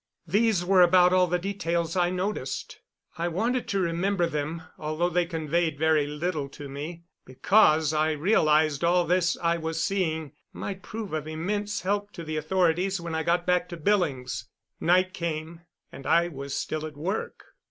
These were about all the details I noticed. I wanted to remember them, although they conveyed very little to me, because I realized all this I was seeing might prove of immense help to the authorities when I got back to Billings. Night came, and I was still at work.